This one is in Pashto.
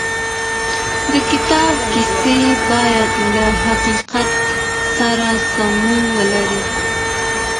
د کتاب کيسې بايد له حقيقت سره سمون ولري.